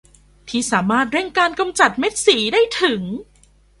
ที่สามารถเร่งการกำจัดเม็ดสีได้ถึง